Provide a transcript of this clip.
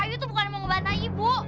ayu tuh bukan mau ngebantah ibu